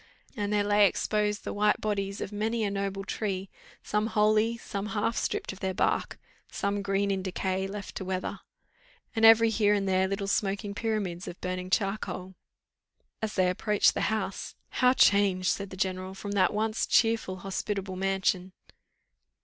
And there lay exposed the white bodies of many a noble tree, some wholly, some half, stripped of their bark, some green in decay, left to the weather and every here and there little smoking pyramids of burning charcoal. As they approached the house "How changed," said the general, "from that once cheerful hospitable mansion!"